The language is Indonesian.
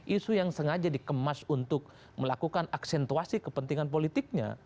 isu yang sengaja dikemas untuk melakukan aksentuasi kepentingan politiknya